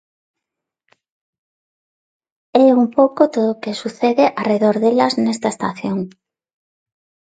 É un pouco todo o que sucede arredor delas nesta estación.